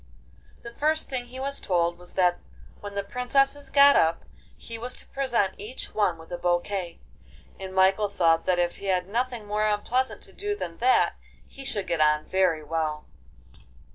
The first thing he was told was that when the princesses got up he was to present each one with a bouquet, and Michael thought that if he had nothing more unpleasant to do than that he should get on very well.